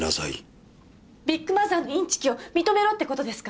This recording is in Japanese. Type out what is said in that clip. ビッグマザーのインチキを認めろって事ですか？